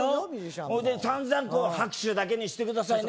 それでさんざん「拍手だけにしてくださいね」